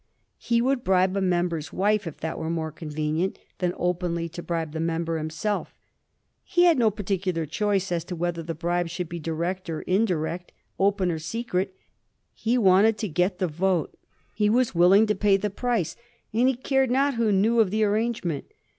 He would bribe a member's wife, if that were more convenient than openly to bribe the member himself. He had no particular choice as to whether the bribe should be direct or indirect, open or secret ; he wanted to get the vote, he was willing to pay the price, and he cared not who knew of the arrangement.